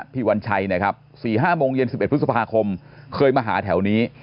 วันชัยนะครับ๔๕โมงเย็น๑๑พฤษภาคมเคยมาหาแถวนี้